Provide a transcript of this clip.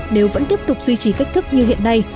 nếu vẫn tiếp tục duy trì cách thức như hiện nay